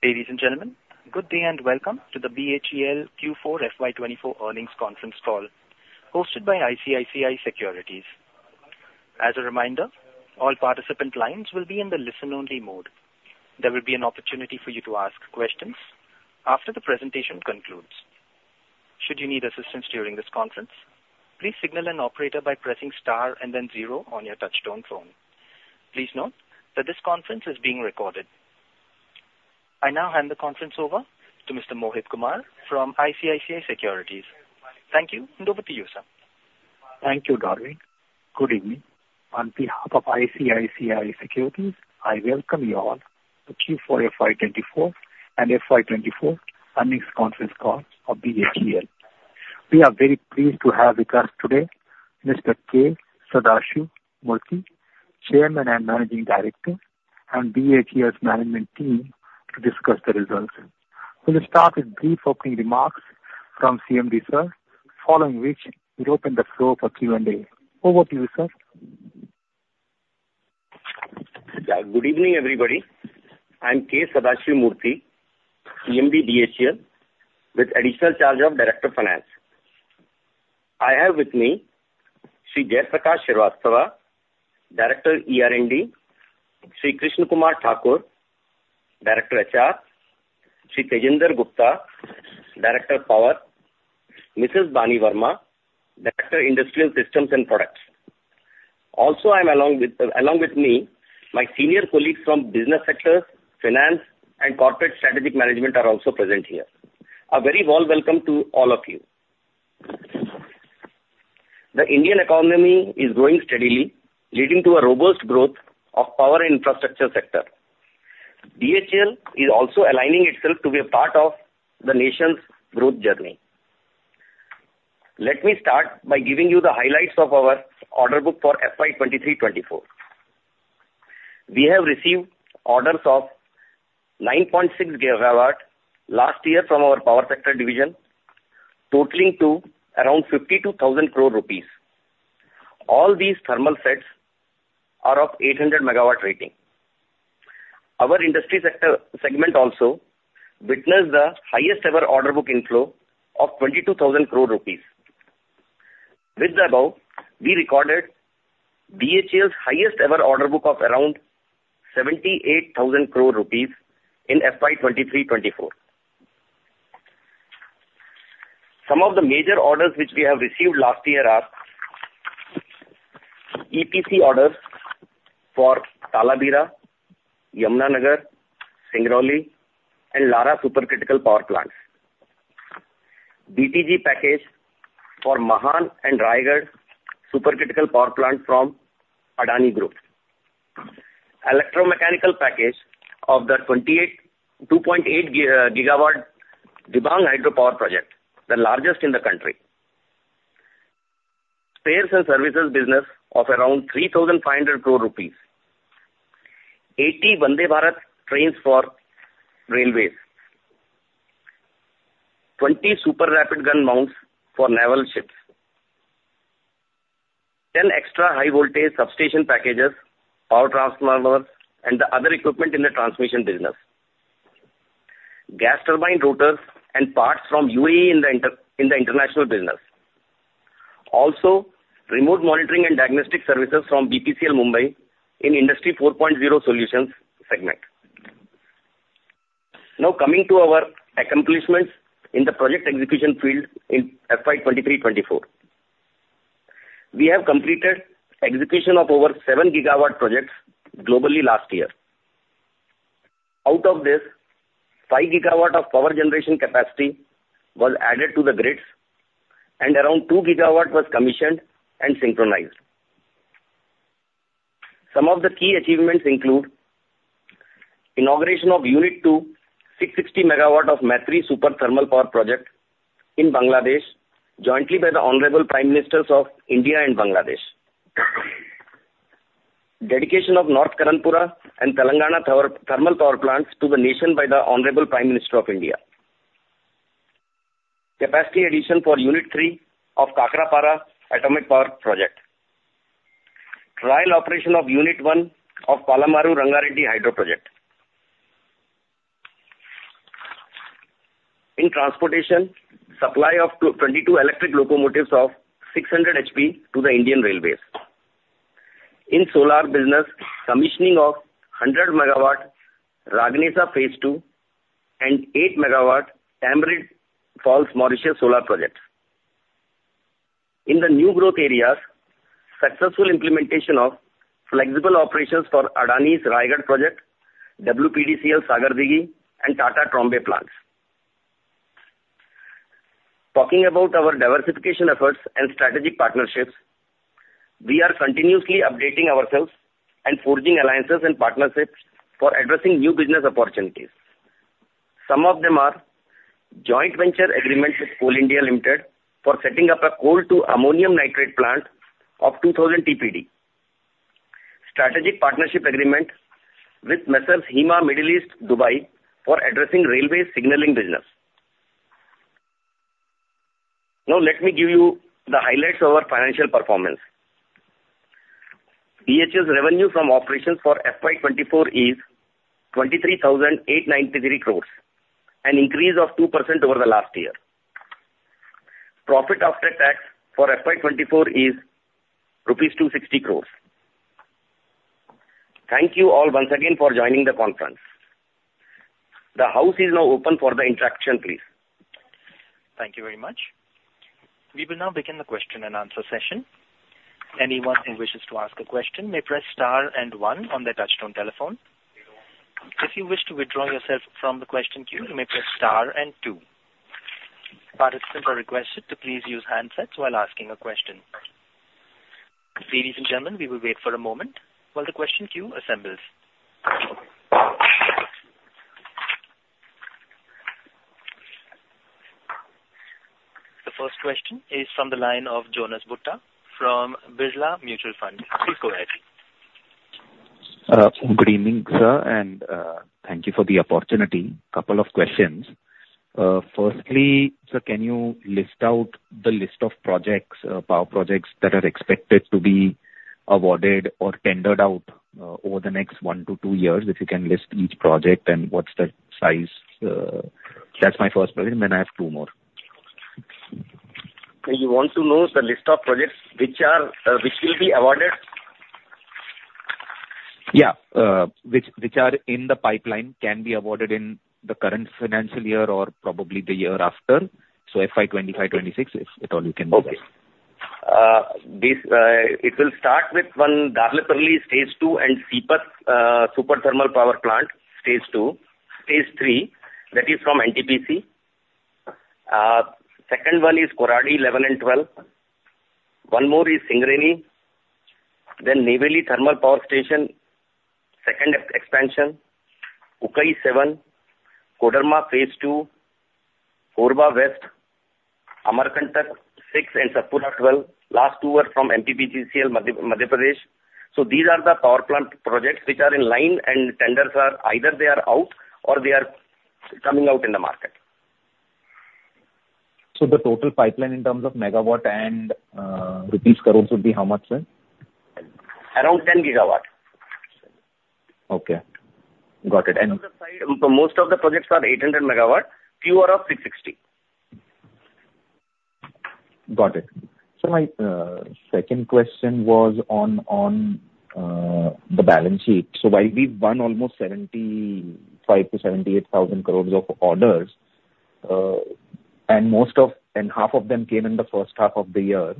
Ladies and gentlemen, good day and welcome to the BHEL Q4 FY 2024 Earnings Conference Call, hosted by ICICI Securities. As a reminder, all participant lines will be in the listen-only mode. There will be an opportunity for you to ask questions after the presentation concludes. Should you need assistance during this conference, please signal an operator by pressing star and then zero on your touchtone phone. Please note that this conference is being recorded. I now hand the conference over to Mr. Mohit Kumar from ICICI Securities. Thank you, and over to you, sir. Thank you, Darwin. Good evening. On behalf of ICICI Securities, I welcome you all to Q4 FY 2024 and FY 2024 earnings conference call of BHEL. We are very pleased to have with us today Mr. K. Sadashiv Murthy, Chairman and Managing Director, and BHEL's management team to discuss the results. We'll start with brief opening remarks from CMD, sir, following which we'll open the floor for Q&A. Over to you, sir. Good evening, everybody. I'm K. Sadashiv Murthy, CMD, BHEL, with additional charge of Director of Finance. I have with me Sri Jai Prakash Srivastava, Director, ER&D; Sri Krishna Kumar Thakur, Director, HR; Sri Tajinder Gupta, Director, Power; Mrs. Bani Varma, Director, Industrial Systems and Products. Also, along with me, my senior colleagues from business sectors, finance, and corporate strategic management are also present here. A very warm welcome to all of you. The Indian economy is growing steadily, leading to a robust growth of power infrastructure sector. BHEL is also aligning itself to be a part of the nation's growth journey. Let me start by giving you the highlights of our order book for FY 2023-2024. We have received orders of 9.6 GW last year from our power sector division, totaling to around 52,000 crore rupees. All these thermal sets are of 800 MW rating. Our industry sector segment also witnessed the highest ever order book inflow of 22,000 crore rupees. With the above, we recorded BHEL's highest ever order book of around 78,000 crore rupees in FY 2023-2024. Some of the major orders which we have received last year are: EPC orders for Talabira, Yamunanagar, Singrauli, and Lara supercritical power plants. BTG package for Mahan and Raigarh supercritical power plant from Adani Group. Electromechanical package of the 2.8 GW Dibang hydropower project, the largest in the country. Spares and services business of around 3,500 crore rupees. 80 Vande Bharat trains for railways. 20 super rapid gun mounts for naval ships. 10 extra high voltage substation packages, power transformers, and the other equipment in the transmission business. Gas turbine rotors and parts from UAE in the international business. Also, remote monitoring and diagnostic services from BPCL Mumbai in Industry 4.0 solutions segment. Now, coming to our accomplishments in the project execution field in FY 2023-2024. We have completed execution of over 7 GW projects globally last year. Out of this, 5 GW of power generation capacity was added to the grids, and around 2 GW was commissioned and synchronized. Some of the key achievements include: inauguration of Unit 2, 660 MW of Maitree Super Thermal Power Project in Bangladesh, jointly by the Honorable Prime Ministers of India and Bangladesh; dedication of North Karanpura and Telangana thermal power plants to the nation by the Honorable Prime Minister of India; capacity addition for Unit 3 of Kakrapar Atomic Power Project; trial operation of Unit 1 of Palamuru-Rangareddy Hydro Project. In transportation, supply of 22 electric locomotives of 600 HP to the Indian Railways. In solar business, commissioning of 100 MW Raghanesda Phase Two and 8 MW Tamarind Falls, Mauritius solar project. In the new growth areas, successful implementation of flexible operations for Adani's Raigarh project, WBPDCL Sagardighi, and Tata Trombay plants. Talking about our diversification efforts and strategic partnerships, we are continuously updating ourselves and forging alliances and partnerships for addressing new business opportunities. Some of them are joint venture agreement with Coal India Limited for setting up a coal to ammonium nitrate plant of 2,000 TPD. Strategic partnership agreement with HIMA Middle East, Dubai, for addressing railway signaling business. Now, let me give you the highlights of our financial performance. BHEL's revenue from operations for FY 2024 is 23,893 crore, an increase of 2% over the last year. Profit after tax for FY 2024 is rupees 260 crores. Thank you all once again for joining the conference. The house is now open for the interaction, please. Thank you very much. We will now begin the question and answer session. Anyone who wishes to ask a question may press star and one on their touch-tone telephone. If you wish to withdraw yourself from the question queue, you may press star and two. Participants are requested to please use handsets while asking a question. Ladies and gentlemen, we will wait for a moment while the question queue assembles. The first question is from the line of Jonas Bhutta from Birla Mutual Fund. Please go ahead. Good evening, sir, and thank you for the opportunity. Couple of questions. Firstly, sir, can you list out the list of projects, power projects, that are expected to be awarded or tendered out, over the next one to two years? If you can list each project and what's the size... That's my first question. Then I have two more. You want to know the list of projects which are, which will be awarded? Yeah. Which are in the pipeline, can be awarded in the current financial year or probably the year after. So FY 2025, 2026, if at all you can do this. Okay. This, it will start with one Darlipali stage two and Sipat, super thermal power plant, stage two, stage three. That is from NTPC. Second one is Koradi 11 and 12. One more is Singareni, then Neyveli Thermal Power Station, second expansion, Ukai 7, Kodarma phase two, Korba West, Amarkantak 6, and Satpura 12. Last two are from MPPGCL, Madhya Pradesh. So these are the power plant projects which are in line and tenders are either they are out or they are coming out in the market. So the total pipeline in terms of megawatt and rupees crores would be how much, sir? Around 10 GW. Okay, got it. And- Most of the projects are 800 MW, few are of 660. Got it. So my second question was on, on, the balance sheet. So while we've won almost 75,000 crore-78,000 crore of orders, and most of, and half of them came in the first half of the year,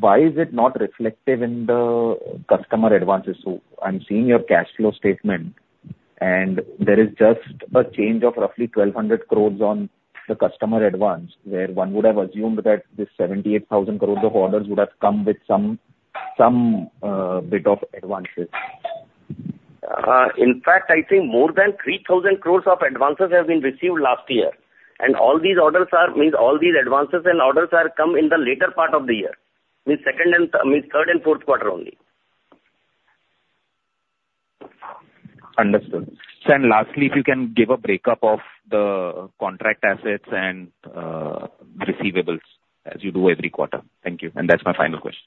why is it not reflective in the customer advances? So I'm seeing your cash flow statement, and there is just a change of roughly 1,200 crore on the customer advance, where one would have assumed that this 78,000 crore of orders would have come with some, some, bit of advances. In fact, I think more than 3,000 crore of advances have been received last year. And all these advances and orders are come in the later part of the year, means second, third, and fourth quarter only. Understood. So lastly, if you can give a break-up of the contract assets and, receivables, as you do every quarter. Thank you, and that's my final question.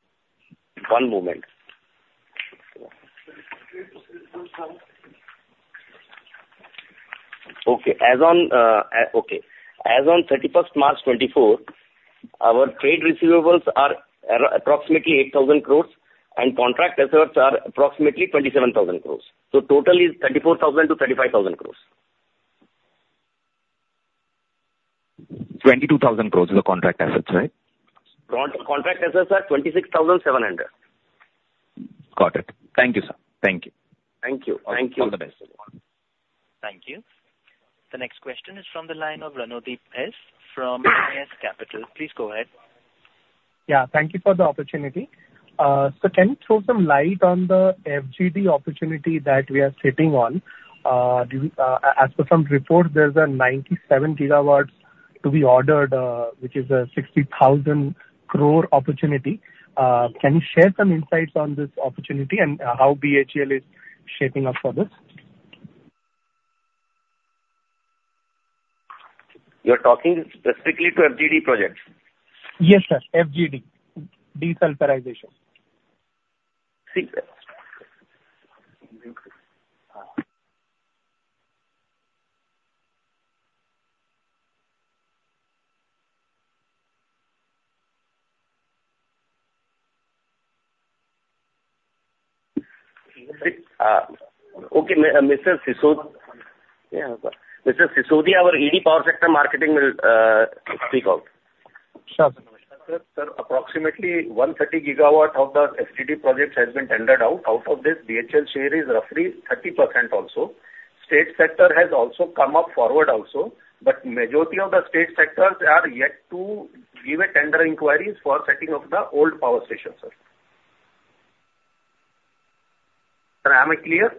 One moment. Okay, as on 31 March 2024, our trade receivables are approximately 8,000 crore, and contract assets are approximately 27,000 crore. So total is 34,000 crore-35,000 crore. 22,000 crore is the contract assets, right? Contract assets are 26,700. Got it. Thank you, sir. Thank you. Thank you. Thank you. All the best. Thank you. The next question is from the line of Ranadeep Sen from ASK Investment Managers. Please go ahead. Yeah, thank you for the opportunity. So can you throw some light on the FGD opportunity that we are sitting on? Do you, as per some reports, there's a 97 GW to be ordered, which is a 60,000 crore opportunity. Can you share some insights on this opportunity and how BHEL is shaping up for this? You're talking specifically to FGD projects? Yes, sir. FGD. Desulfurization. Mr. Sisodia, our ED, Power Sector Marketing, will speak out. Sure. Sir, approximately 130 gigawatt of the FGD projects has been tendered out. Out of this, BHEL share is roughly 30% also. State sector has also come up forward also, but majority of the state sectors are yet to give a tender inquiries for setting up the old power station, sir. Am I clear?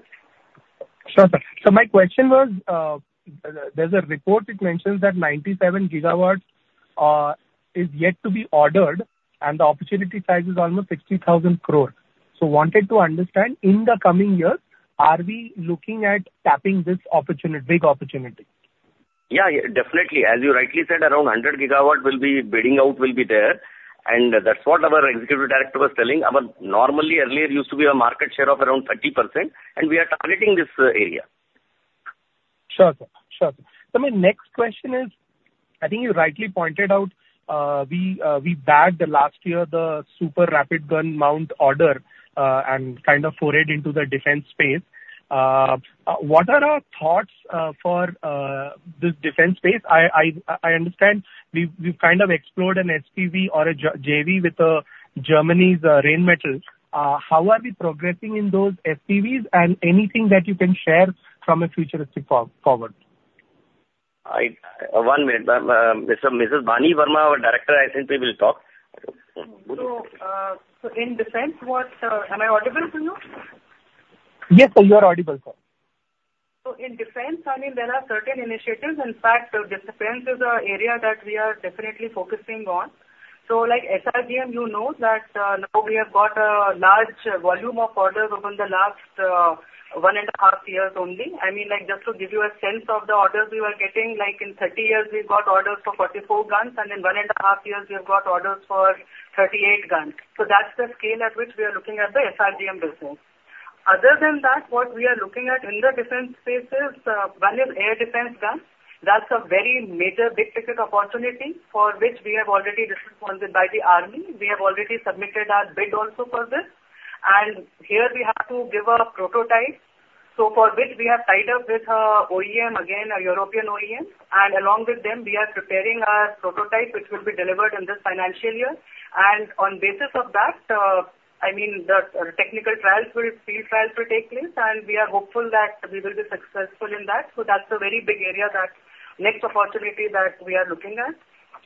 Sure, sir. So my question was, there's a report that mentions that 97 GW is yet to be ordered, and the opportunity size is almost 50,000 crore. So wanted to understand, in the coming years, are we looking at tapping this opportunity, big opportunity? Yeah, yeah, definitely. As you rightly said, around 100 GW will be bidding out will be there, and that's what our executive director was telling us. Normally, earlier, it used to be a market share of around 30%, and we are targeting this area. Sure, sir. Sure, sir. So my next question is, I think you rightly pointed out, we bagged the last year the Super Rapid Gun Mount order, and kind of forayed into the defense space. What are our thoughts for this defense space? I understand we've kind of explored an SPV or a JV with Germany's Rheinmetall. How are we progressing in those SPVs and anything that you can share from a futuristic forward? One minute. Mrs. Bani Varma, our Director, I think she will talk. So in defense, what... Am I audible to you? Yes, sir, you are audible, sir. So in defense, I mean, there are certain initiatives. In fact, defense is an area that we are definitely focusing on. So like SRGM, you know that, now we have got a large volume of orders over the last one and a half years only. I mean, like, just to give you a sense of the orders we were getting, like, in 30 years, we've got orders for 44 guns, and in one and a half years, we have got orders for 38 guns. So that's the scale at which we are looking at the SRGM business. Other than that, what we are looking at in the defense space is, one is air defense guns. That's a very major, big ticket opportunity for which we have already responded by the army. We have already submitted our bid also for this. Here we have to give a prototype, so for which we have tied up with OEM, again, a European OEM, and along with them, we are preparing a prototype which will be delivered in this financial year. On basis of that, I mean, the technical trials will field trials will take place, and we are hopeful that we will be successful in that. So that's a very big area, that next opportunity that we are looking at.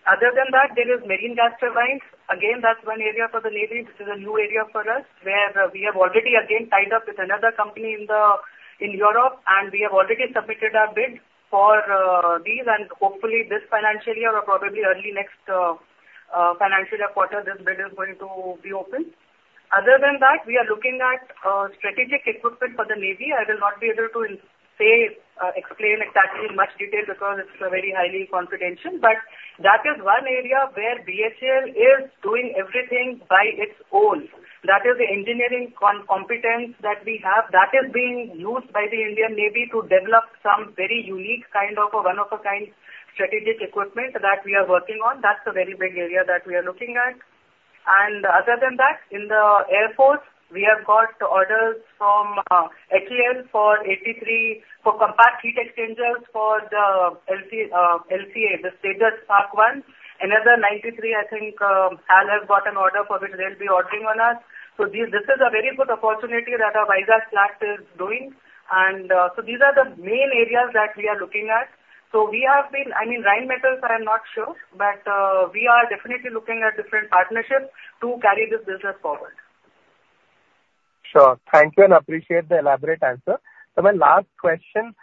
Other than that, there is marine gas turbines. Again, that's one area for the Navy. This is a new area for us, where we have already again tied up with another company in Europe, and we have already submitted our bid for these, and hopefully this financial year or probably early next financial quarter, this bid is going to be open. Other than that, we are looking at strategic equipment for the Navy. I will not be able to say explain exactly in much detail because it's very highly confidential. But that is one area where BHEL is doing everything by its own. That is the engineering competence that we have, that is being used by the Indian Navy to develop some very unique kind of a one-of-a-kind strategic equipment that we are working on. That's a very big area that we are looking at. And other than that, in the Air Force, we have got orders from HAL for 83 compact heat exchangers for the LCA Tejas Mark one. Another 93, I think, HAL has got an order for which they'll be ordering on us. So this is a very good opportunity that our Vizag plant is doing. So these are the main areas that we are looking at. So we have been... I mean, Rheinmetall, I am not sure, but, we are definitely looking at different partnerships to carry this business forward. Sure. Thank you, and appreciate the elaborate answer. So my last question,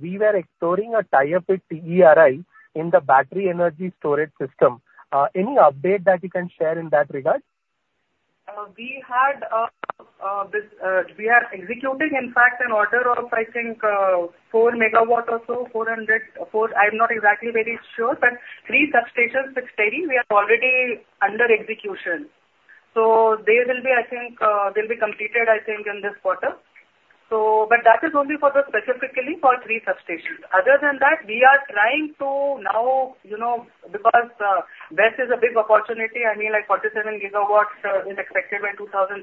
we were exploring a tie-up with TERI in the battery energy storage system. Any update that you can share in that regard? We had this, we are executing, in fact, an order of, I think, 4 MW or so, 400, 4, I'm not exactly very sure, but three substations with TERI, we are already under execution. So they will be, I think, they'll be completed, I think, in this quarter. So, but that is only for the, specifically for three substations. Other than that, we are trying to now, you know, because this is a big opportunity, I mean, like 47 GW is expected by 2030.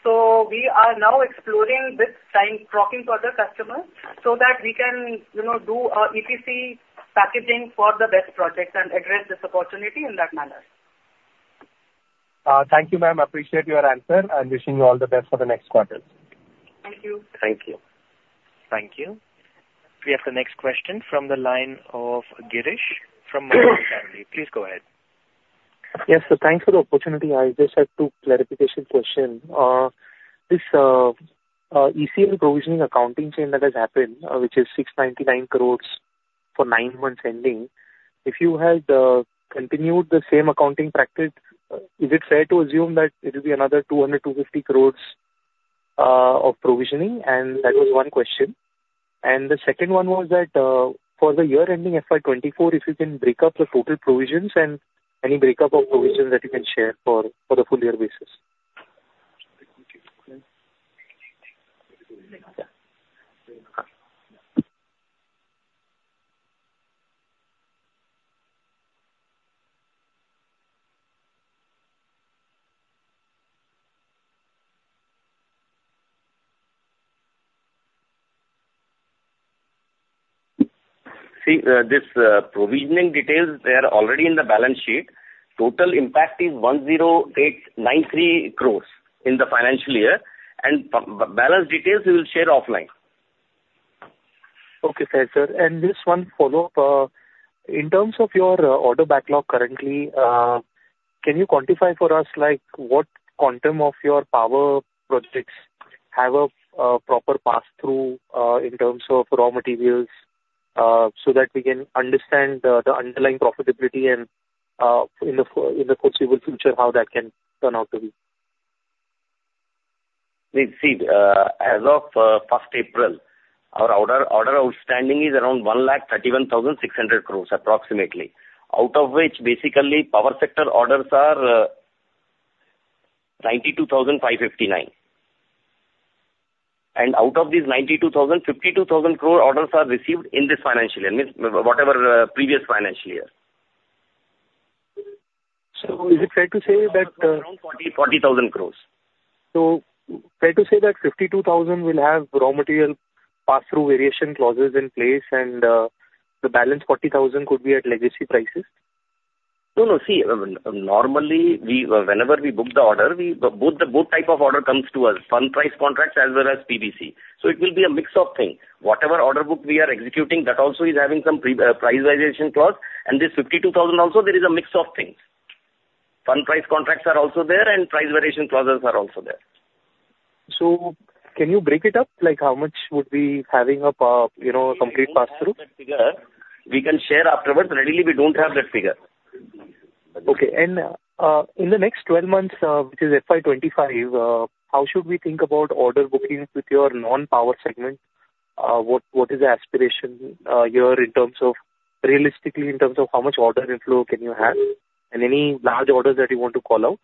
So we are now exploring this, trying, talking to other customers so that we can, you know, do our EPC packaging for the best projects and address this opportunity in that manner. Thank you, ma'am. Appreciate your answer and wishing you all the best for the next quarter. Thank you. Thank you. Thank you. We have the next question from the line of Girish from Motilal Oswal. Please go ahead. Yes, sir, thanks for the opportunity. I just had two clarification question. This ECL provisioning accounting change that has happened, which is 699 crore for 9 months ending. If you had continued the same accounting practice, is it fair to assume that it will be another 200-250 crore of provisioning? And that was one question. And the second one was that, for the year ending FY 2024, if you can break up the total provisions and any breakup of provisions that you can share for the full year basis. See, this provisioning details, they are already in the balance sheet. Total impact is 10,893 crore in the financial year, and balance details we will share offline. Okay, fair, sir. And just one follow-up. In terms of your order backlog currently, can you quantify for us, like, what quantum of your power projects have a proper pass-through in terms of raw materials? So that we can understand the underlying profitability and in the foreseeable future, how that can turn out to be. We see, as of first April, our order outstanding is around 1,31,600 crore, approximately. Out of which, basically, power sector orders are 92,559 crore. And out of these ninety-two thousand, 52,000 crore orders are received in this financial year, means whatever previous financial year. Is it fair to say that? Around INR 40,000 crore. So fair to say that 52,000 will have raw material pass-through variation clauses in place and the balance 40,000 could be at legacy prices? No, no. See, normally, we, whenever we book the order, we, both the, both type of order comes to us: firm price contracts as well as PVC. So it will be a mix of things. Whatever order book we are executing, that also is having some price variation clause. And this 52,000 also, there is a mix of things. Firm price contracts are also there, and price variation clauses are also there. So can you break it up? Like, how much would we having a, you know, complete pass-through? We don't have that figure. We can share afterwards. Readily, we don't have that figure. Okay. In the next 12 months, which is FY 2025, how should we think about order bookings with your non-power segment? What is the aspiration here in terms of, realistically, in terms of how much order inflow can you have, and any large orders that you want to call out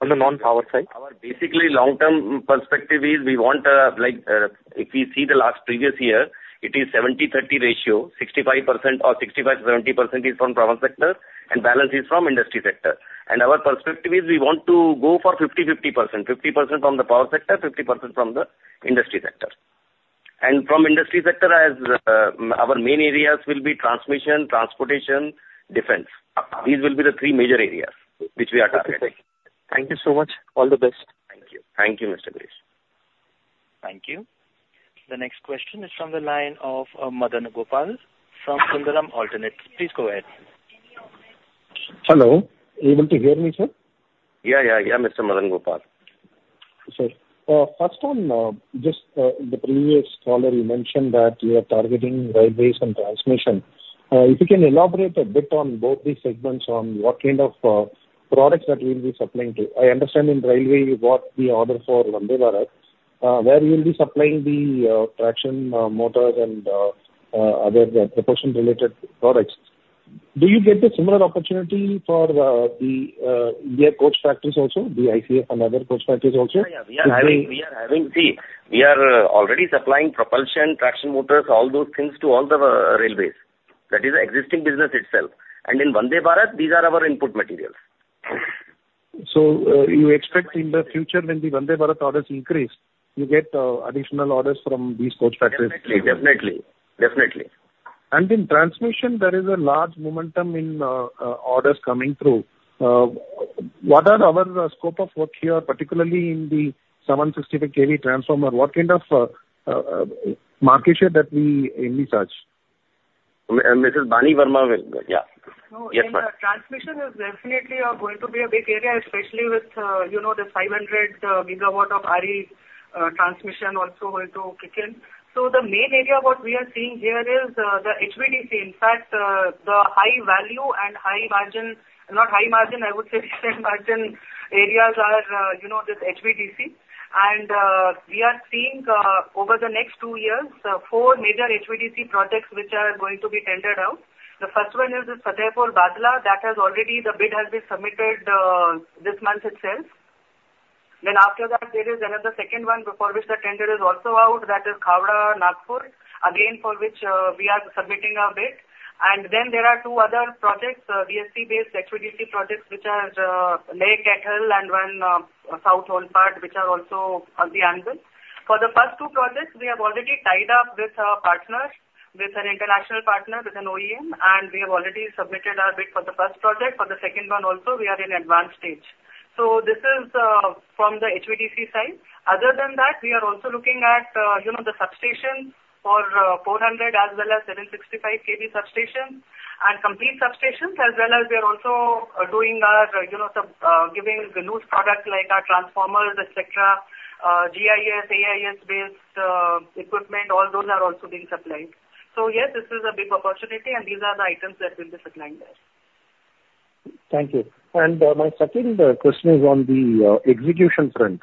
on the non-power side? Our basic long-term perspective is we want, like, if you see the last previous year, it is 70/30 ratio. 65% or 65%-70% is from power sector, and balance is from industry sector. And our perspective is we want to go for 50/50 percent, 50% from the power sector, 50% from the industry sector. And from industry sector as, our main areas will be transmission, transportation, defense. These will be the three major areas which we are targeting. Thank you so much. All the best. Thank you. Thank you, Mr. Girish. Thank you. The next question is from the line of, Madan Gopal from Sundaram Alternates. Please go ahead. Hello. Able to hear me, sir? Yeah, yeah, yeah, Mr. Madan Gopal. Sir, first on just the previous caller, you mentioned that you are targeting railways and transmission. If you can elaborate a bit on both these segments, on what kind of products that you'll be supplying to. I understand in railway, you got the order for Vande Bharat, where you'll be supplying the traction motors and other propulsion-related products. Do you get a similar opportunity for the rail coach factories also, the ICF and other coach factories also? Yeah, yeah. We are having... See, we are already supplying propulsion, traction motors, all those things to all the railways. That is the existing business itself. And in Vande Bharat, these are our input materials. You expect in the future when the Vande Bharat orders increase, you get additional orders from these coach factories? Definitely, definitely, definitely. In transmission, there is a large momentum in orders coming through. What are our scope of work here, particularly in the 765 kV transformer? What kind of market share that we aim to touch? Mrs. Bani Varma will, yeah. No, in the transmission is definitely going to be a big area, especially with, you know, the 500 GW of RE transmission also going to kick in. So the main area what we are seeing here is the HVDC. In fact, the high value and high margin, not high margin, I would say certain margin areas are, you know, this HVDC. And, we are seeing, over the next two years, four major HVDC projects which are going to be tendered out. The first one is the Fatehpur-Bhadla. That has already, the bid has been submitted, this month itself. Then after that, there is another second one before which the tender is also out, that is Khavda-Nagpur, again, for which, we are submitting our bid. And then there are two other projects, VSC based HVDC projects, which are, Leh-Kaithal and one, South Olpad, which are also on the anvil. For the first two projects, we have already tied up with our partners, with an international partner, with an OEM, and we have already submitted our bid for the first project. For the second one also, we are in advanced stage. So this is, from the HVDC side. Other than that, we are also looking at, you know, the substation for, 400 as well as 765 kV substations and complete substations, as well as we are also doing our, you know, giving loose products like our transformers, etcetera, GIS, AIS based, equipment, all those are also being supplied. So yes, this is a big opportunity, and these are the items that will be supplying there. Thank you. And, my second question is on the execution front.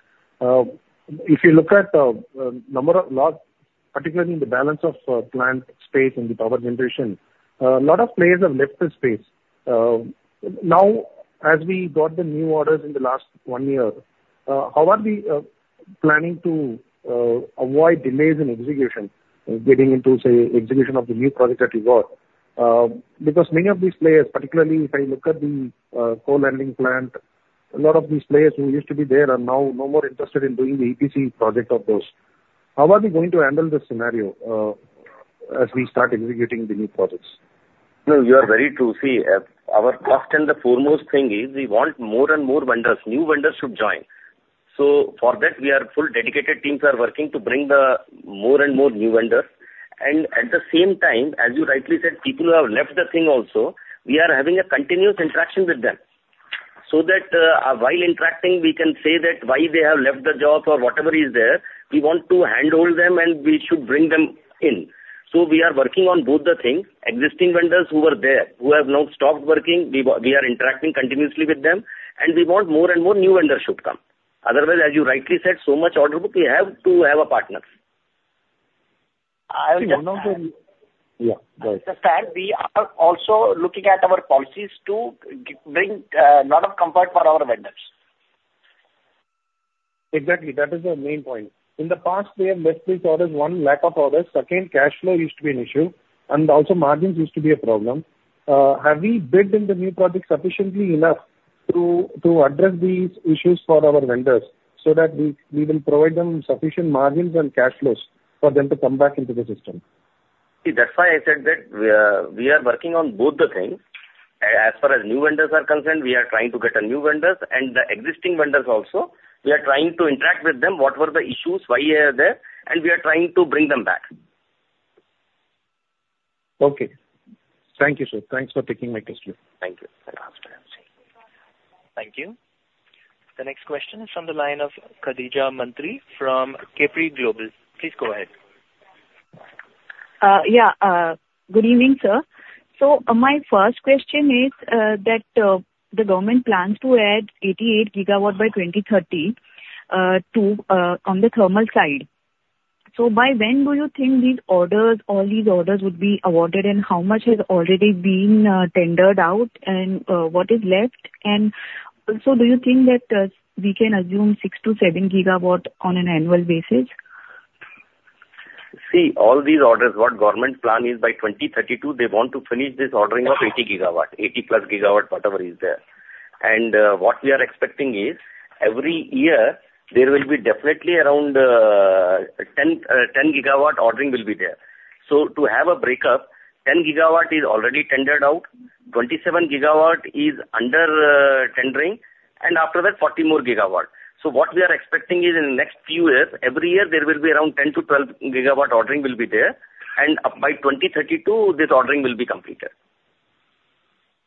If you look at number of losses, particularly in the Balance of Plant space in the power generation, a lot of players have left the space. Now, as we got the new orders in the last one year, how are we planning to avoid delays in execution, getting into, say, execution of the new projects that we got? Because many of these players, particularly if I look at the coal handling plant, a lot of these players who used to be there are now no more interested in doing the EPC project of those. How are we going to handle this scenario, as we start executing the new projects? No, you are very true. See, our first and the foremost thing is we want more and more vendors, new vendors to join. So for that, we are full dedicated teams are working to bring the more and more new vendors. And at the same time, as you rightly said, people who have left the thing also, we are having a continuous interaction with them, so that, while interacting, we can say that why they have left the job or whatever is there, we want to handhold them, and we should bring them in. So we are working on both the things. Existing vendors who are there, who have now stopped working, we are interacting continuously with them, and we want more and more new vendors should come. Otherwise, as you rightly said, so much order book, we have to have a partner. I would just- Yeah, go ahead. Sir, we are also looking at our policies to bring a lot of comfort for our vendors. Exactly, that is the main point. In the past, we have missed these orders, one, lack of orders. Second, cash flow used to be an issue, and also margins used to be a problem. Have we built in the new project sufficiently enough to address these issues for our vendors, so that we will provide them sufficient margins and cash flows for them to come back into the system? See, that's why I said that we are, we are working on both the things. As far as new vendors are concerned, we are trying to get a new vendors and the existing vendors also, we are trying to interact with them, what were the issues, why they are there, and we are trying to bring them back. Okay. Thank you, sir. Thanks for taking my question. Thank you. Have a nice day. Thank you. The next question is from the line of Khadija Mantri from Capri Global. Please go ahead. Yeah, good evening, sir. So my first question is that the government plans to add 88 GW by 2030 on the thermal side. So by when do you think these orders, all these orders would be awarded, and how much has already been tendered out, and what is left? And also, do you think that we can assume 6-7 GW on an annual basis? See, all these orders, what government plan is by 2032, they want to finish this ordering of 80 GW, 80+ GW, whatever is there. And, what we are expecting is, every year there will be definitely around, ten, ten GW ordering will be there. So to have a breakup, 10 GW is already tendered out, 27 GW is under, tendering, and after that, 40 more GW. So what we are expecting is in the next few years, every year there will be around 10-12 GW ordering will be there, and by 2032, this ordering will be completed.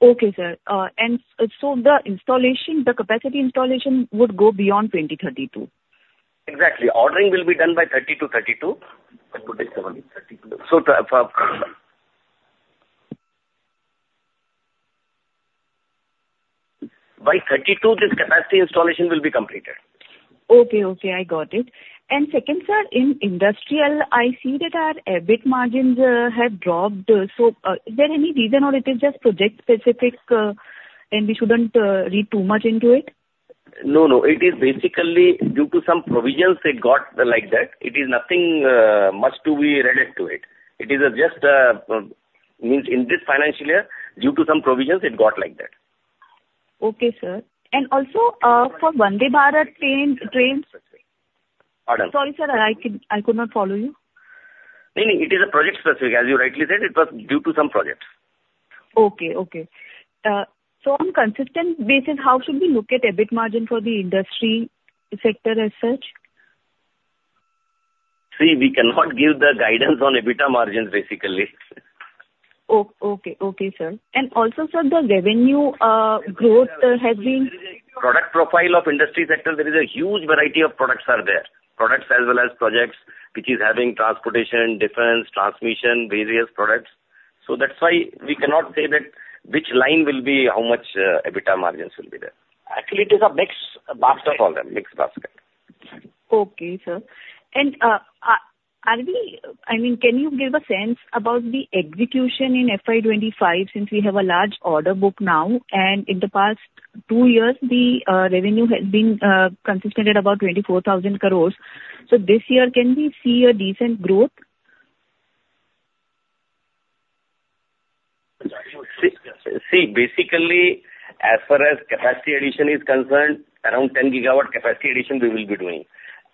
Okay, sir. And so the installation, the capacity installation would go beyond 2032? Exactly. Ordering will be done by 2030-2032. So by 2032, this capacity installation will be completed. Okay, okay, I got it. And second, sir, in industrial, I see that our EBIT margins have dropped. So, is there any reason, or it is just project-specific, and we shouldn't read too much into it? No, no. It is basically due to some provisions it got like that. It is nothing, much to be read into it. It is just, means in this financial year, due to some provisions, it got like that. Okay, sir. And also, for Vande Bharat train, trains. Pardon? Sorry, sir, I could not follow you. No, no. It is project specific, as you rightly said, it was due to some projects. Okay, okay. So on consistent basis, how should we look at EBIT margin for the industry sector as such? See, we cannot give the guidance on EBITDA margins, basically. Oh, okay. Okay, sir. And also, sir, the revenue growth has been- Product profile of industry sector, there is a huge variety of products are there. Products as well as projects, which is having transportation, defense, transmission, various products. So that's why we cannot say that which line will be how much, EBITDA margins will be there. Actually, it is a mixed basket for them. Mixed basket. Okay, sir. Are we—I mean, can you give a sense about the execution in FY 2025, since we have a large order book now, and in the past 2 years, the revenue has been consistent at about 24,000 crore. So this year, can we see a decent growth? See, basically, as far as capacity addition is concerned, around 10 GW capacity addition we will be doing.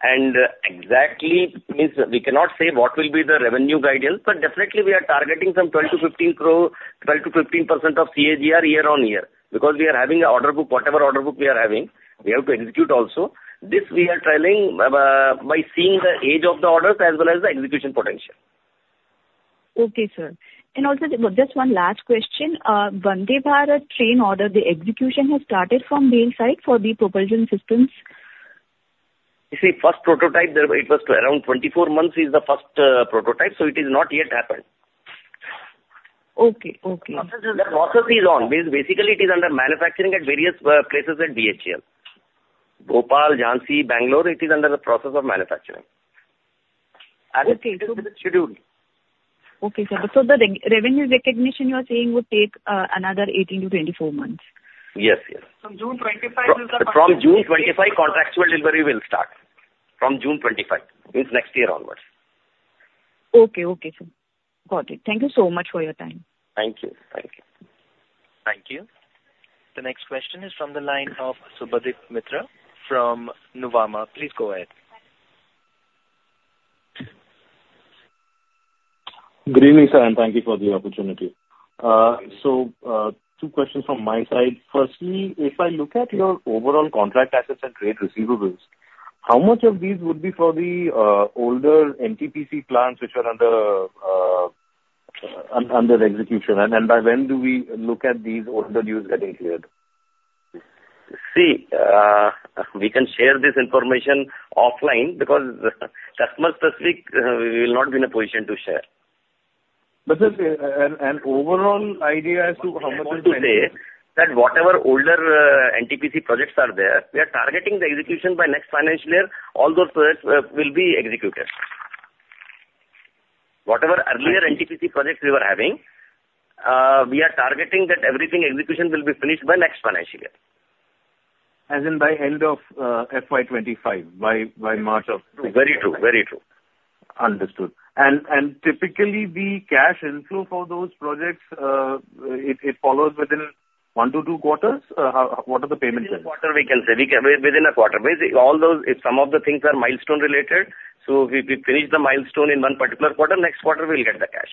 And, exactly, means we cannot say what will be the revenue guidance, but definitely we are targeting some 12-15 crore, 12-15% CAGR year-on-year, because we are having an order book, whatever order book we are having, we have to execute also. This we are trailing, by seeing the age of the orders as well as the execution potential. Okay, sir. And also, just one last question. Vande Bharat train order, the execution has started from BHEL side for the propulsion systems? You see, first prototype, there it was around 24 months is the first prototype, so it is not yet happened. Okay. Okay. The process is on. Basically, it is under manufacturing at various places at BHEL. Bhopal, Jhansi, Bengaluru, it is under the process of manufacturing. Okay. As scheduled. Okay, sir. So the revenue recognition, you are saying, would take another 18-24 months? Yes, yes. From June 25- From June 25, contractual delivery will start. From June 25, means next year onwards. Okay, okay, sir. Got it. Thank you so much for your time. Thank you. Thank you. Thank you. The next question is from the line of Subhadip Mitra from Nuvama. Please go ahead. Good evening, sir, and thank you for the opportunity. So, two questions from my side. Firstly, if I look at your overall contract assets and trade receivables, how much of these would be for the older NTPC plants which are under execution, and by when do we look at these older dues getting cleared? See, we can share this information offline because customer specific, we will not be in a position to share. But just, an overall idea as to how much is- I want to say that whatever older, NTPC projects are there, we are targeting the execution by next financial year, all those projects, will be executed. Whatever earlier NTPC projects we were having, we are targeting that everything execution will be finished by next financial year. As in by end of FY 25, by March of- Very true. Very true. Understood. And typically the cash inflow for those projects, it follows within 1-2 quarters? What are the payment terms? Within a quarter, we can say. We can within a quarter. Basically, all those, if some of the things are milestone related, so we finish the milestone in one particular quarter, next quarter we'll get the cash.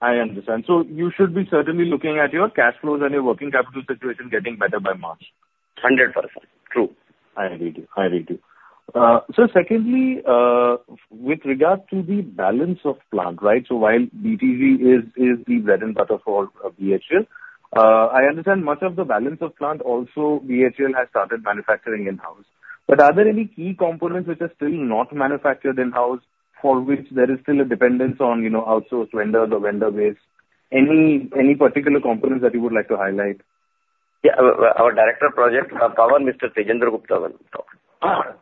I understand. So you should be certainly looking at your cash flows and your working capital situation getting better by March? 100%. True. I agree to. So secondly, with regard to the balance of plant, right? So while BTG is the bread and butter for BHEL, I understand much of the balance of plant also BHEL has started manufacturing in-house. But are there any key components which are still not manufactured in-house, for which there is still a dependence on, you know, outsourced vendors or vendor base? Any particular components that you would like to highlight? Yeah. Our, our Director Projects Power, Mr. Tajinder Gupta will talk.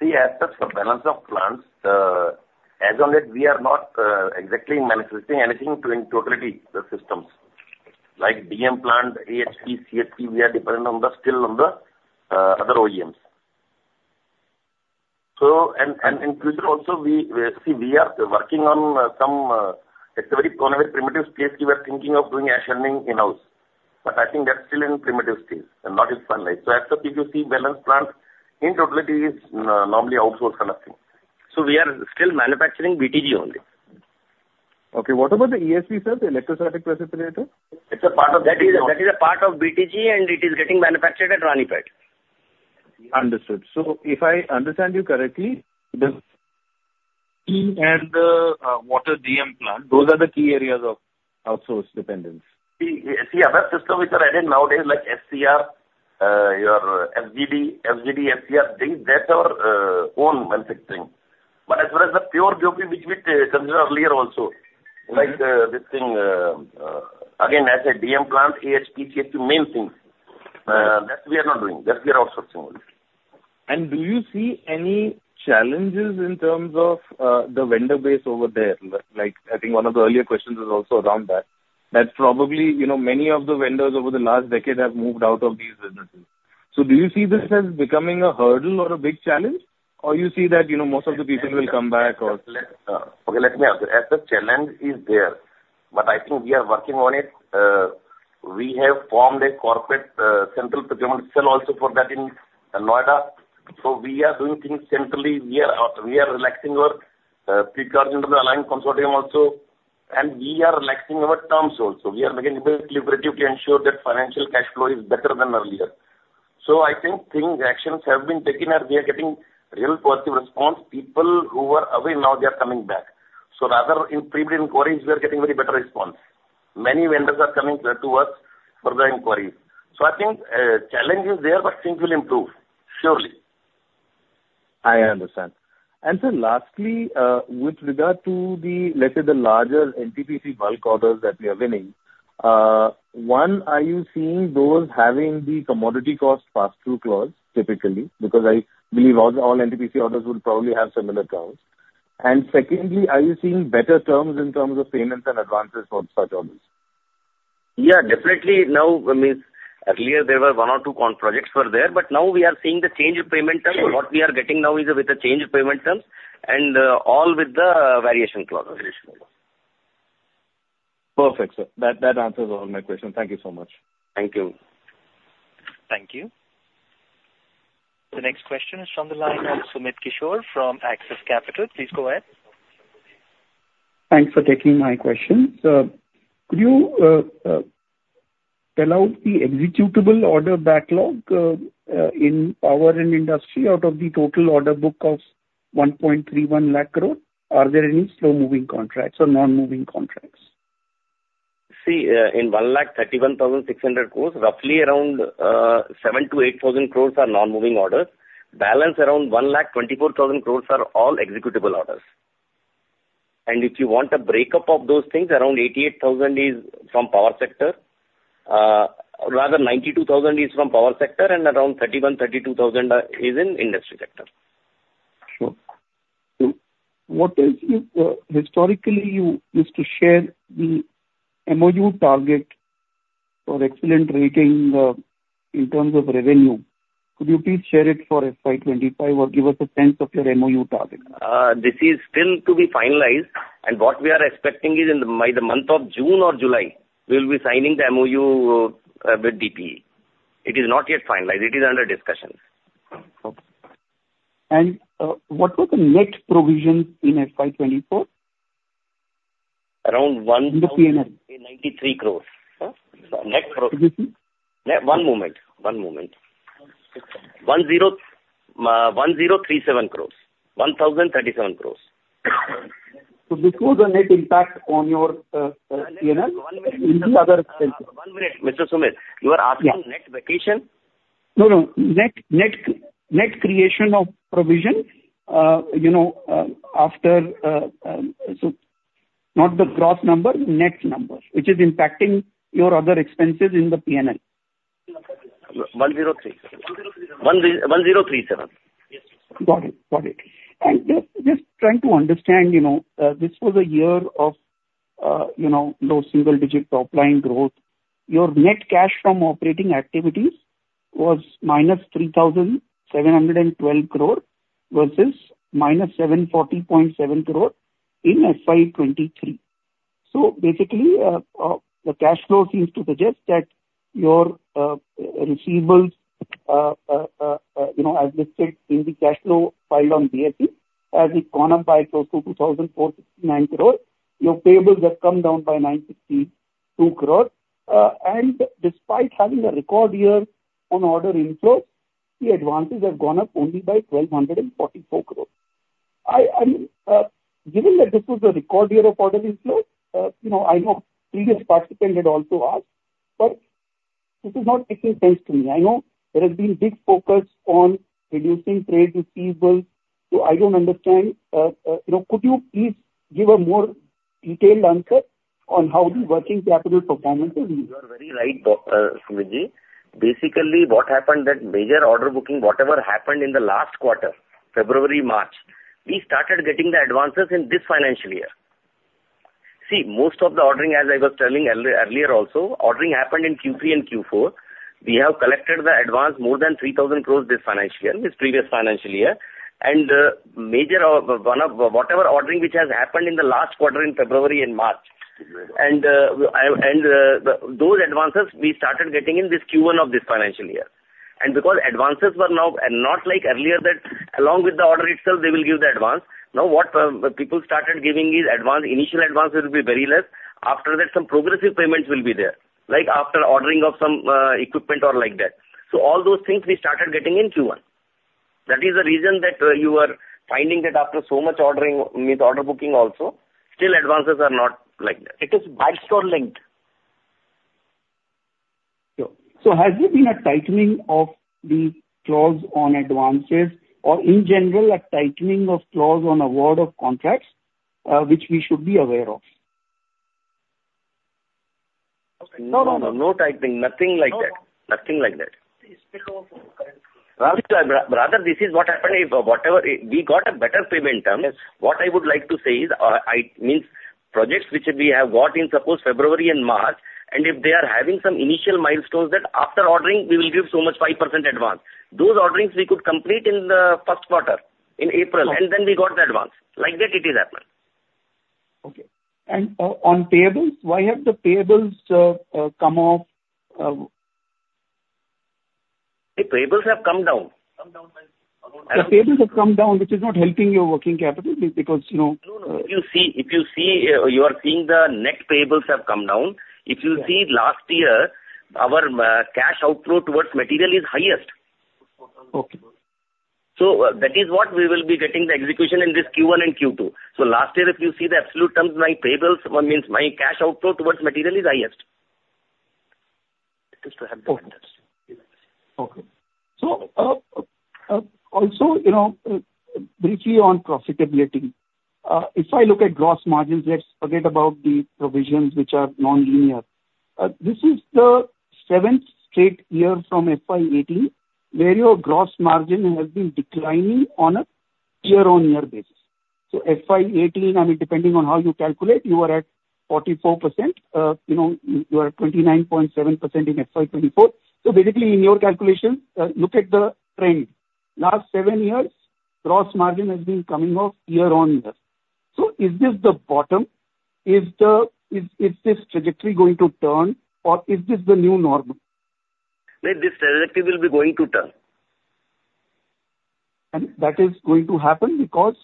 See, as such, for balance of plants, as of yet, we are not exactly manifesting anything to in totality the systems. Like DM plant, AHP, CHP, we are dependent on the, still on the, other OEMs. So, and, and, and future also we, see, we are working on, some, it's a very primitive space. We are thinking of doing ash handling in-house, but I think that's still in primitive stage and not in sight. So as to BoP balance plant, in totality is, normally outsourced kind of thing. So we are still manufacturing BTG only. Okay. What about the ESP, sir, the Electrostatic Precipitator? That is a part of BTG, and it is getting manufactured at Ranipet. Understood. So if I understand you correctly, the, and what a DM plant, those are the key areas of outsource dependence. See, other system which are adding nowadays, like SCR, your FGD, FGD, SCR things, that's our own manufacturing. But as far as the pure BOP, which we considered earlier also- Mm-hmm. like, this thing, again, as a DM plant, AHP, CHP, main things- Right. that we are not doing. That we are outsourcing only. Do you see any challenges in terms of the vendor base over there? Like, I think one of the earlier questions is also around that, that probably, you know, many of the vendors over the last decade have moved out of these businesses. So do you see this as becoming a hurdle or a big challenge, or you see that, you know, most of the people will come back or? Okay, let me answer. As the challenge is there, but I think we are working on it. We have formed a corporate, central procurement cell also for that in Noida. So we are doing things centrally. We are, we are relaxing our, pre-qualifying consortium also, and we are relaxing our terms also. We are making liberally ensure that financial cash flow is better than earlier. So I think things, actions have been taken, and we are getting real positive response. People who were away, now they are coming back. So rather in previous inquiries, we are getting very better response. Many vendors are coming to us for the inquiries. So I think, challenge is there, but things will improve. Surely! I understand. And sir, lastly, with regard to the, let's say, the larger NTPC bulk orders that we are winning, one, are you seeing those having the commodity cost pass-through clause typically? Because I believe all, all NTPC orders would probably have similar terms. And secondly, are you seeing better terms in terms of payments and advances for such orders? Yeah, definitely now, I mean, earlier there were one or two turnkey projects were there, but now we are seeing the change in payment terms. Sure. What we are getting now is with the change in payment terms and all with the variation clause. Perfect, sir. That, that answers all my questions. Thank you so much. Thank you. Thank you. The next question is from the line of Sumit Kishore from Axis Capital. Please go ahead. Thanks for taking my question. Could you tell us the executable order backlog in power and industry out of the total order book of 131,000 crore? Are there any slow-moving contracts or non-moving contracts? See, in 131,600 crore, roughly around 7,000-8,000 crore are non-moving orders. Balance around 124,000 crore are all executable orders. If you want a breakup of those things, around 88,000 is from power sector, rather 92,000 is from power sector, and around 31,000-32,000 are, is in industry sector. Sure. So what is the, historically, you used to share the MOU target or excellent rating in terms of revenue. Could you please share it for FY 2025 or give us a sense of your MOU target? This is still to be finalized, and what we are expecting is by the month of June or July, we'll be signing the MOU with DPE. It is not yet finalized. It is under discussions. Okay. What was the net provision in FY 2024? Around one- In the P&L. INR 93 crores. Huh? Net pro- Excuse me. One moment, one moment. 1,037 crore. 1,037 crore. This was a net impact on your PNL? One minute, Mr. Sumit. Yes. You are asking net vacation? No, no. Net, net, net creation of provision, you know, after, so not the gross number, net number, which is impacting your other expenses in the P&L. 103. 10, 1037. Yes. Got it. Got it. And just, just trying to understand, you know, this was a year of, you know, low single digit top line growth. Your net cash from operating activities was -3,712 crore, versus -740.7 crore in FY 2023. So basically, the cash flow seems to suggest that your, you know, receivables, as listed in the cash flow filed on BSE, have gone up by close to 2,469 crore. Your payables have come down by 962 crore. And despite having a record year on order inflows, the advances have gone up only by 1,244 crore. I mean, given that this was a record year of order inflows, you know, I know previous participant had also asked, but this is not making sense to me. I know there has been big focus on reducing trade receivables, so I don't understand. You know, could you please give a more detailed answer on how the working capital performance is? You are very right, Sumit Ji. Basically, what happened, that major order booking, whatever happened in the last quarter, February, March, we started getting the advances in this financial year. See, most of the ordering, as I was telling earlier also, ordering happened in Q3 and Q4. We have collected the advance more than 3,000 crore this financial year, this previous financial year. And, major of, one of whatever ordering which has happened in the last quarter in February and March, and, I, and, the, those advances we started getting in this Q1 of this financial year. And because advances were now and not like earlier, that along with the order itself they will give the advance. Now, what, people started giving is advance, initial advance will be very less. After that, some progressive payments will be there, like after ordering of some equipment or like that. So all those things we started getting in Q1. That is the reason that you are finding that after so much ordering, with order booking also, still advances are not like that. It is milestone linked. So, has there been a tightening of the clause on advances or in general, a tightening of clause on award of contracts, which we should be aware of? No, no, no tightening. Nothing like that. No. Nothing like that. Please speak out for current- Rather, this is what happened. If whatever, we got a better payment terms. What I would like to say is, I mean projects which we have got in, suppose February and March, and if they are having some initial milestones, that after ordering we will give so much 5% advance. Those orderings we could complete in the first quarter, in April, and then we got the advance. Like that it is happened. Okay. And on payables, why have the payables come off? The payables have come down. Come down by about- The payables have come down, which is not helping your working capital because, you know, No, no. If you see, if you see, you are seeing the net payables have come down. If you see last year, our, cash outflow towards material is highest. Okay. So that is what we will be getting the execution in this Q1 and Q2. So last year, if you see the absolute terms, my payables, means my cash outflow towards material, is highest. It is to have the vendors. Okay. So, also, you know, briefly on profitability, if I look at gross margins, let's forget about the provisions which are non-linear. This is the seventh straight year from FY 2018, where your gross margin has been declining on a year-on-year basis. So FY 2018, I mean, depending on how you calculate, you are at 44%, you know, you are at 29.7% in FY 2024. So basically, in your calculation, look at the trend. Last seven years, gross margin has been coming off year on year. So is this the bottom? Is this trajectory going to turn, or is this the new normal? No, this trajectory will be going to turn. That is going to happen because?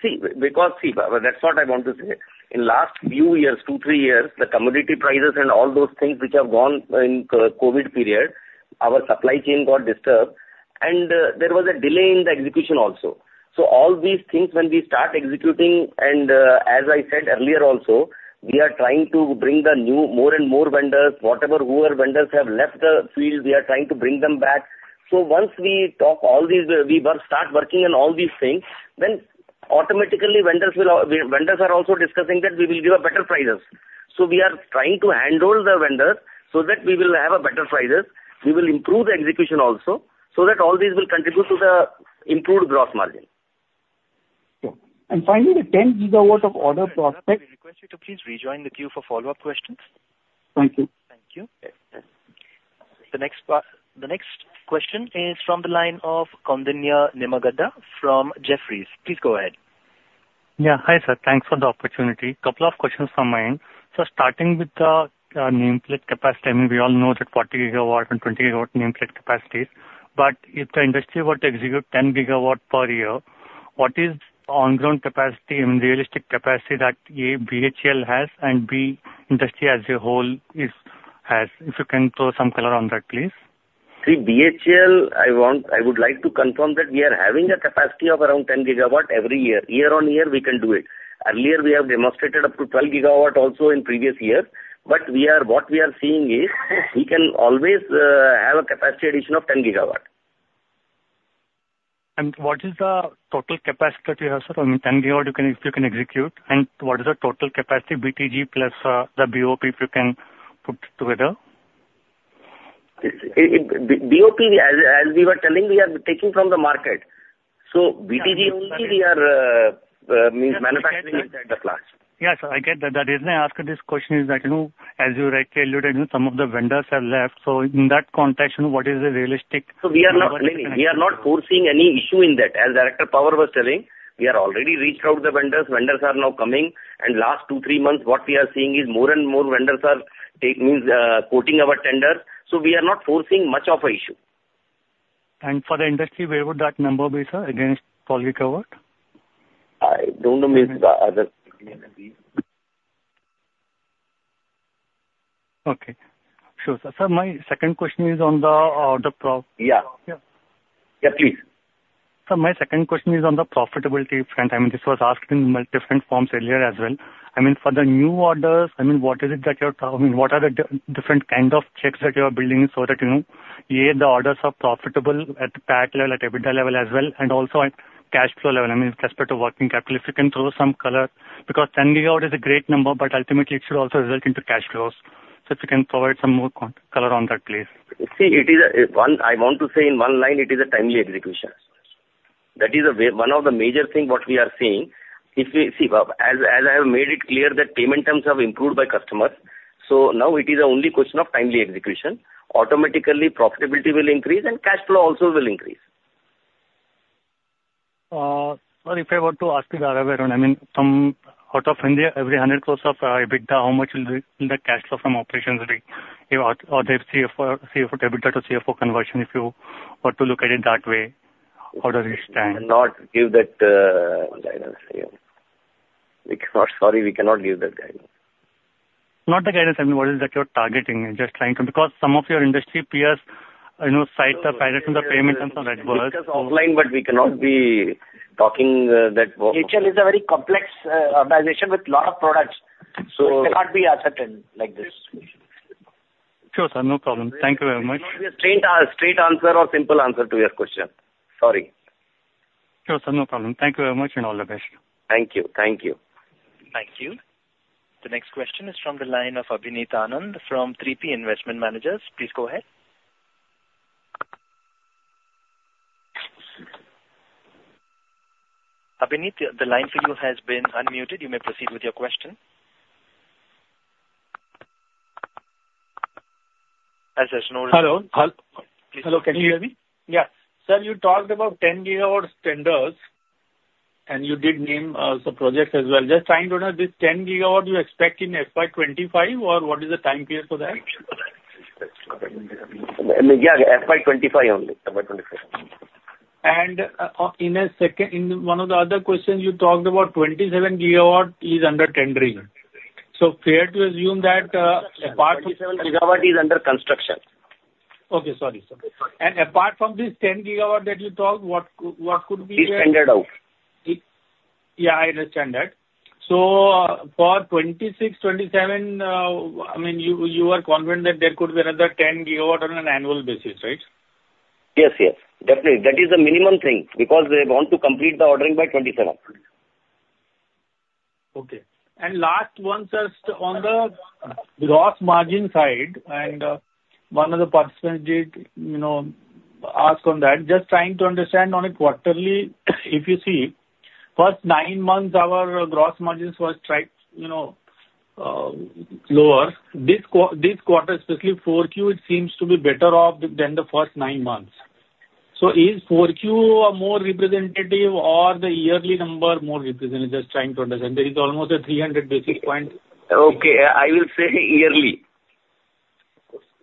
See, because see, that's what I want to say. In the last few years, two to three years, the commodity prices and all those things which have gone in the COVID period, our supply chain got disturbed and there was a delay in the execution also. So all these things, when we start executing, and as I said earlier also, we are trying to bring the new, more and more vendors. Whatever whoever vendors have left the field, we are trying to bring them back. So once we talk all these, we work, start working on all these things, then automatically vendors will all... We, vendors are also discussing that we will give a better prices. So we are trying to handle the vendors so that we will have a better prices. We will improve the execution also, so that all these will contribute to the improved gross margin. Okay, and finally, the 10 GW of order prospects- We request you to please rejoin the queue for follow-up questions. Thank you. Thank you. The next question is from the line of Koundinya Nimmagadda from Jefferies. Please go ahead. Yeah. Hi, sir. Thanks for the opportunity. Couple of questions from my end. So starting with the nameplate capacity, I mean, we all know that 40 GW and 20 GW nameplate capacities, but if the industry were to execute 10 GW per year... What is on-ground capacity and realistic capacity that, A, BHEL has, and B, industry as a whole is, has? If you can throw some color on that, please. See, BHEL, I want—I would like to confirm that we are having a capacity of around 10 GW every year. Year-on-year, we can do it. Earlier, we have demonstrated up to 12 GW also in previous years, but we are, what we are seeing is, we can always, have a capacity addition of 10 GW. What is the total capacity that you have, sir? I mean, 10 gigawatt you can, if you can execute, and what is the total capacity, BTG plus, the BOP, if you can put together? BOP, as we were telling, we are taking from the market. So BTG only- Yeah. We are manufacturing inside the plant. Yes, I get that. The reason I ask you this question is that, you know, as you rightly alluded, some of the vendors have left. So in that context, what is the realistic- So we are not, we are not foreseeing any issue in that. As Director Power was telling, we are already reached out to the vendors. Vendors are now coming, and last 2, 3 months, what we are seeing is more and more vendors are quoting our tenders. So we are not foreseeing much of an issue. For the industry, where would that number be, sir, against what we covered? I don't know, means, the other Okay. Sure, sir. Sir, my second question is on the, the pro- Yeah. Yeah. Yeah, please. Sir, my second question is on the profitability front. I mean, this was asked in multiple different forms earlier as well. I mean, for the new orders, I mean, what is it that you're... I mean, what are the different kinds of checks that you are building so that, you know, A, the orders are profitable at PAT level, at EBITDA level as well, and also at cash flow level, I mean, as opposed to working capital. If you can throw some color, because 10 gigawatt is a great number, but ultimately it should also result into cash flows. So if you can provide some more color on that, please. See, it is a one. I want to say in one line, it is a timely execution. That is a way, one of the major thing, what we are seeing, if we— See, as I have made it clear, that payment terms have improved by customers, so now it is only question of timely execution. Automatically, profitability will increase and cash flow also will increase. Well, if I were to ask you the other way around, I mean, from out of India, every 100 crore of EBITDA, how much will be in the cash flow from operations be? Or the CFO, EBITDA to CFO conversion, if you were to look at it that way, how does it stand? Not give that, guidance. Yeah. We cannot, sorry, we cannot give that guidance. Not the guidance, I mean, what is it that you're targeting? I'm just trying to... Because some of your industry peers, you know, cite the guidance and the payment terms as well. Discuss offline, but we cannot be talking, that- BHEL is a very complex organization with a lot of products. So- It cannot be ascertained like this. Sure, sir, no problem. Thank you very much. No, straight answer or simple answer to your question. Sorry. Sure, sir, no problem. Thank you very much, and all the best. Thank you. Thank you. Thank you. The next question is from the line of Abinit Anand from 360 ONE Asset. Please go ahead. Abinit, the line for you has been unmuted. You may proceed with your question. As I know- Hello? Hel- Hello, can you hear me? Yeah. Sir, you talked about 10 gigawatts tenders, and you did name some projects as well. Just trying to know, this 10 gigawatt you expect in FY 2025, or what is the time period for that? Yeah, FY 25 only. FY 25. In a second, in one of the other questions you talked about 27 GW is under tendering. Fair to assume that, apart- 27 GW is under construction. Okay, sorry, sorry. And apart from this 10 GW that you talked, what could, what could be the- Is tendered out. Yeah, I understand that. So for 2026, 2027, I mean, you are confident that there could be another 10 GW on an annual basis, right? Yes, yes, definitely. That is the minimum thing, because they want to complete the ordering by 2027. Okay. And last one, just on the gross margin side, and one of the participants did, you know, ask on that. Just trying to understand on a quarterly, if you see, first nine months, our gross margins was tight, you know, lower. This quarter, especially Q4, it seems to be better off than the first nine months. So is Q4 a more representative or the yearly number more representative? Just trying to understand. There is almost a 300 basis point. Okay, I will say yearly.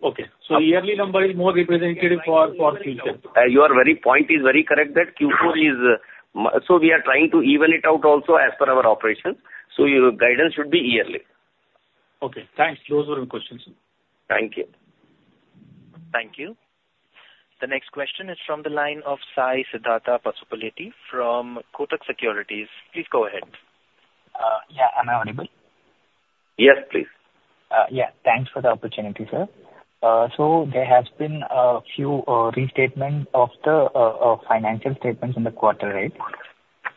Okay. So the yearly number is more representative for, for future. You are very, point is very correct that Q4 is, so we are trying to even it out also as per our operation. So your guidance should be yearly. Okay, thanks. Those were my questions. Thank you. Thank you. The next question is from the line of Sai Siddhartha Pasupuleti from Kotak Securities. Please go ahead. Yeah, am I audible? Yes, please. Yeah, thanks for the opportunity, sir. So there has been a few restatements of the financial statements in the quarter date.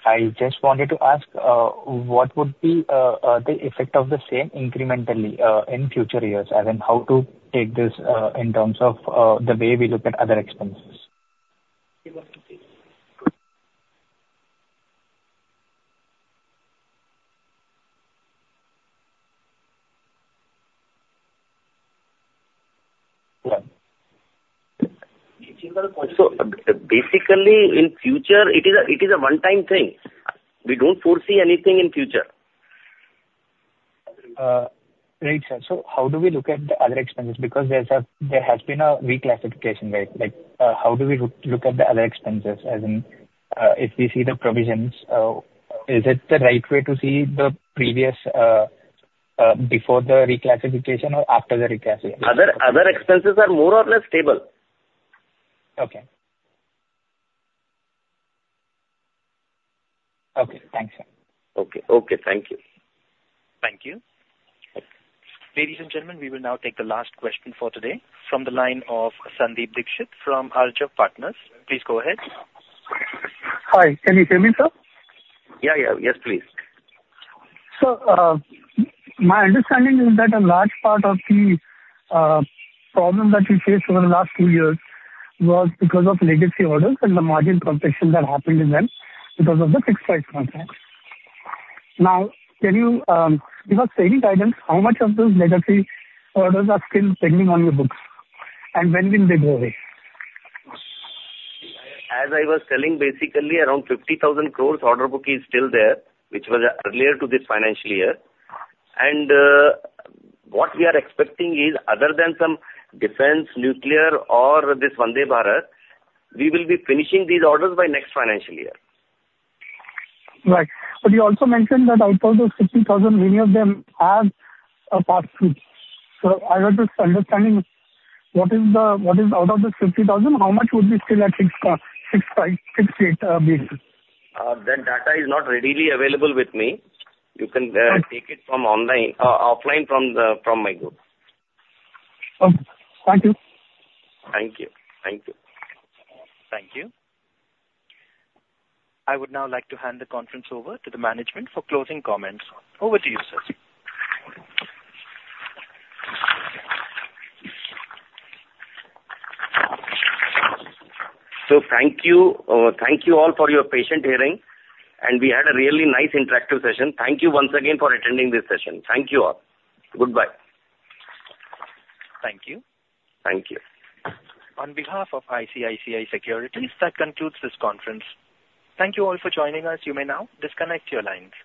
I just wanted to ask, what would be the effect of the same incrementally in future years, as in how to take this in terms of the way we look at other expenses? So basically, in future, it is a, it is a one-time thing. We don't foresee anything in future.... Right, sir. So how do we look at the other expenses? Because there has been a reclassification, right? Like, how do we look at the other expenses, as in, if we see the provisions, is it the right way to see the previous, before the reclassification or after the reclassification? Other expenses are more or less stable. Okay. Okay, thanks, sir. Okay. Okay, thank you. Thank you. Okay. Ladies and gentlemen, we will now take the last question for today from the line of Sandeep Dixit from Arjav Partners. Please go ahead. Hi. Can you hear me, sir? Yeah, yeah. Yes, please. So, my understanding is that a large part of the problem that you faced over the last two years was because of legacy orders and the margin compression that happened in them because of the fixed price contracts. Now, can you give us any guidance, how much of those legacy orders are still pending on your books, and when will they go away? As I was telling, basically, around 50,000 crore order book is still there, which was earlier to this financial year. What we are expecting is, other than some defense, nuclear or this Vande Bharat, we will be finishing these orders by next financial year. Right. But you also mentioned that out of those 50,000, many of them have a pass-through. So I want to understand, what is out of the 50,000, how much would be still at 6%, 6.5%, 6.8% basis? That data is not readily available with me. You can take it from online, offline from my group. Okay. Thank you. Thank you. Thank you. Thank you. I would now like to hand the conference over to the management for closing comments. Over to you, sir. Thank you. Thank you all for your patient hearing, and we had a really nice interactive session. Thank you once again for attending this session. Thank you all. Goodbye. Thank you. Thank you. On behalf of ICICI Securities, that concludes this conference. Thank you all for joining us. You may now disconnect your lines.